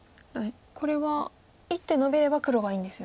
これは１手のびれば黒がいいんですよね。